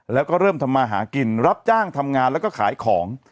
แล้วก็เริ่มทำมาหากินรับจ้างทำงานแล้วก็ขายของ